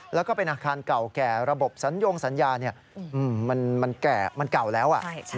แล้วก็เป็นอาคารเก่าแก่ระบบสัญญงสัญญามันแก่มันเก่าแล้ว